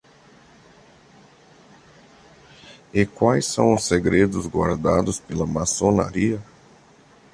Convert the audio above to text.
E quais são os segredos guardados pela maçonaria?